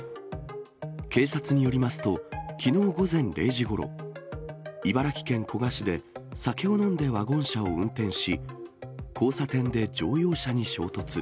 警察によりますと、きのう午前０時ごろ、茨城県古河市で酒を飲んでワゴン車を運転し、交差点で乗用車に衝突。